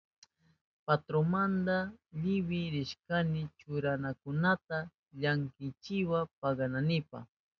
Patronmanta liwik rishkani churarinakunata lankwikiwa paganaynipa.